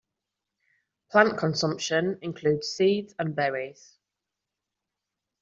Plant consumption includes seeds and berries.